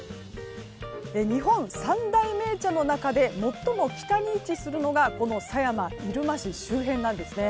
日本三大銘茶の中で最も北に位置するのがこの狭山市や入間市周辺なんです。